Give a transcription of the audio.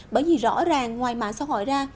bởi vì rõ ràng ngoài mạng xã hội ra